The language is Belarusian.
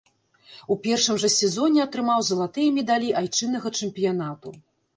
У першым жа сезоне атрымаў залатыя медалі айчыннага чэмпіянату.